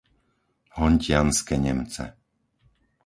Hontianske Nemce